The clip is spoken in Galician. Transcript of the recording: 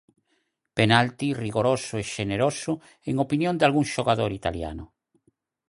Penalti rigoroso e xeneroso en opinión dalgún xogador italiano.